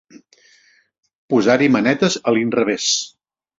Posar-hi manetes a l'inrevés.